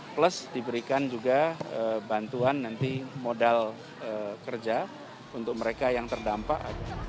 plus diberikan juga bantuan nanti modal kerja untuk mereka yang terdampak